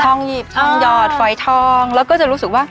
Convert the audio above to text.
หยิบทองหยอดฝอยทองแล้วก็จะรู้สึกว่า